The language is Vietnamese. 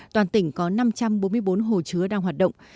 toàn tỉnh có năm trăm bốn mươi bốn hồ chứa đang hoạt động